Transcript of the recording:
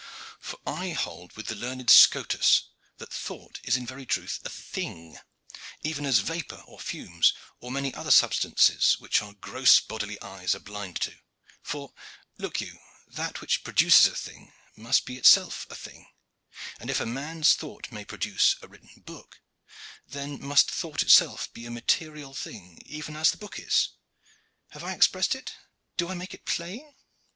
For I hold with the learned Scotus that thought is in very truth a thing, even as vapor or fumes, or many other substances which our gross bodily eyes are blind to. For, look you, that which produces a thing must be itself a thing, and if a man's thought may produce a written book, then must thought itself be a material thing, even as the book is. Have I expressed it? Do I make it plain?"